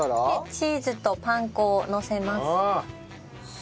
チーズとパン粉をのせます。